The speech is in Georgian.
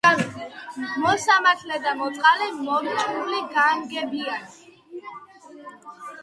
მოსამართლე და მოწყალე, მორჭმული, განგებიანი,